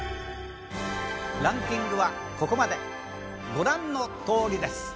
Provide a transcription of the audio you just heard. ランキングはここまでご覧のとおりです。